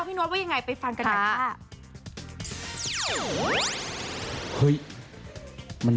พี่โน้ตว่าอย่างไรไปฟังกันกันค่ะ